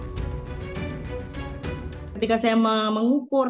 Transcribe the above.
ketika saya mengukur ininya partikelnya saya menggunakan masker rangkap